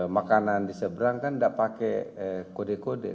makanan di seberang kan tidak pakai kode kode